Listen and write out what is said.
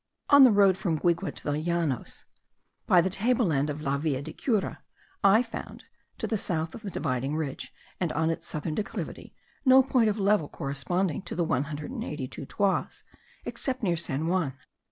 On the road from Guigue to the Llanos, by the table land of La Villa de Cura, I found, to the south of the dividing ridge, and on its southern declivity, no point of level corresponding to the 182 toises, except near San Juan.